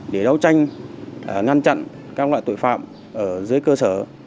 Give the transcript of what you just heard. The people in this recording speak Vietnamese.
để đấu tranh ngăn chặn các loại tội phạm ở dưới cơ sở